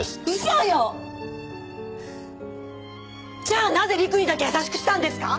じゃあなぜ陸にだけ優しくしたんですか？